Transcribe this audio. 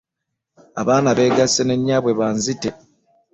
Abaana beegasse ne nnyaabwe banzite!